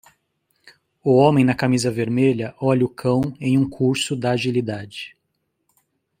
O homem na camisa vermelha olha o cão em um curso da agilidade.